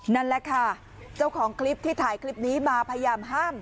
นั่นแหละค่ะเจ้าของคลิปที่ถ่ายคลิปนี้มาพยายามห้าม